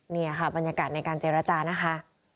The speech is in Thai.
นี่ค่ะบรรยากาศในการเจรจานะคะ